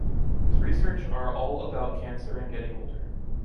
His research are all about cancer and getting older.